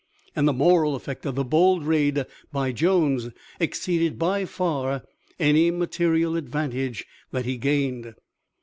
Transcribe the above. And the moral effect of the bold raid by Jones exceeded by far any material advantage that he gained.